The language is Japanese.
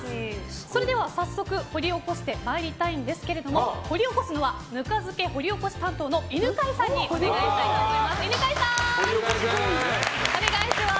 それでは早速掘り起こしてまいりたいんですが掘り起こすのはぬか漬け掘り起こし担当の犬飼さんにお願いしたいと思います。